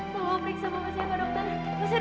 tolong periksa bapak saya pak dokter